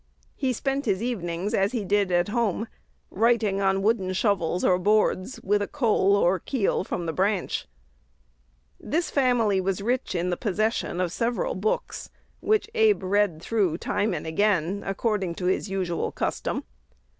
He spent his evenings as he did at home, writing on wooden shovels or boards with "a coal, or keel, from the branch." This family was rich in the possession of several books, which Abe read through time and again, according to his usual custom.